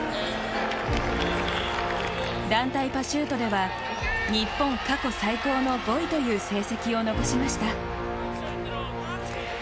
団体パシュートでは日本過去最高の５位という成績を残しました。